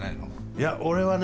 いや俺はね